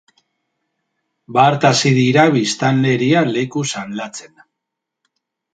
Bart hasi dira biztanleria lekuz aldatzen.